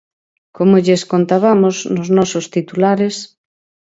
Como lles contabamos nos nosos titulares.